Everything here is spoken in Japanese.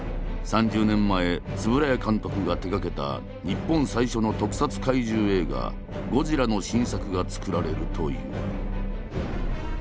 ３０年前円谷監督が手がけた日本最初の特撮怪獣映画「ゴジラ」の新作が作られるという。